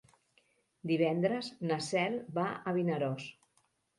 Divendres na Cel va a Vinaròs.